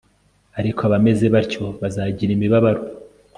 ariko abameze batyo bazagira imibabaro